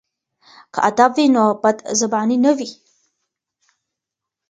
که ادب وي نو بدزباني نه وي.